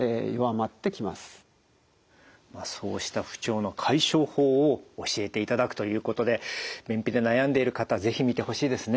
まあそうした不調の解消法を教えていただくということで便秘で悩んでいる方是非見てほしいですね。